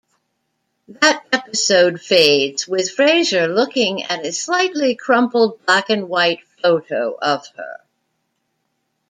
That episode fades with Fraser looking at a slightly crumpled black-and-white photo of her.